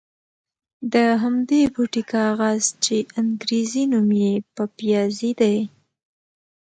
د همدې بوټي کاغذ چې انګرېزي نوم یې پپیازي دی.